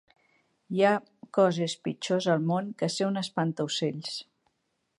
Hi ha coses pitjors al món que ser un espantaocells.